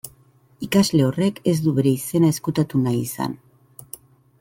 Ikasle horrek ez du bere izena ezkutatu nahi izan.